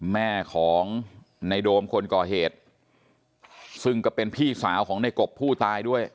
แม่ของในโดมคนก่อเหตุซึ่งก็เป็นพี่สาวของในกบผู้ตายด้วย